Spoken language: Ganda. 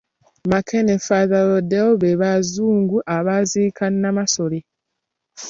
Mackay ne Father Lourdel be Bazungu abaaziika Namasole.